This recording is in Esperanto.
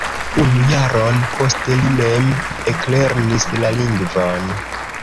Unu jaron poste li mem eklernis la lingvon.